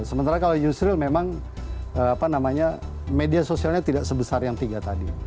sementara kalau yusril memang media sosialnya tidak sebesar yang tiga tadi